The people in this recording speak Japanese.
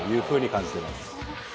感じてます。